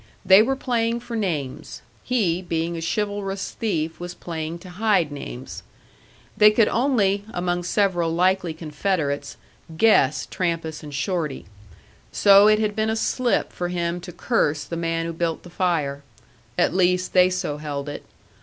They were playing for names. He, being a chivalrous thief, was playing to hide names. They could only, among several likely confederates, guess Trampas and Shorty. So it had been a slip for him to curse the man who built the fire. At least, they so held it.